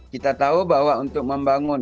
kita tahu bahwa untuk membangun